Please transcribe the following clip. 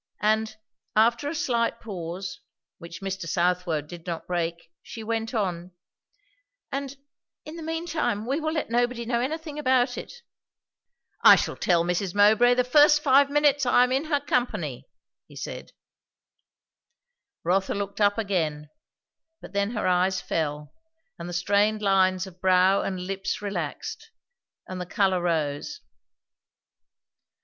And after a slight pause, which Mr. Southwode did not break, she went on, "And, in the mean time, we will let nobody know anything about it." "I shall tell Mrs. Mowbray the first five minutes I am in her company," he said. Rotha looked up again, but then her eyes fell, and the strained lines of brow and lips relaxed, and the colour rose.